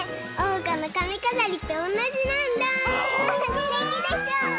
すてきでしょ？